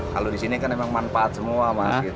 kalau di sini kan emang manfaat semua mas